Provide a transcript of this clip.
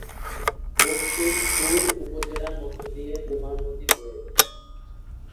মুকসুদপুর উপজেলার মধ্য দিয়ে কুমার নদী বয়ে গেছে।